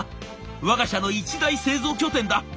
わが社の一大製造拠点だ。